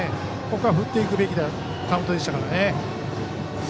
ここは振っていくべきのカウントでしたから。